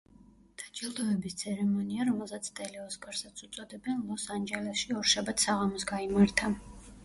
დაჯილდოების ცერემონია, რომელსაც ტელე-ოსკარსაც უწოდებენ, ლოს-ანჯელესში ორშაბათს საღამოს გაიმართა.